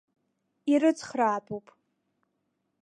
Ирыцхраатәуп!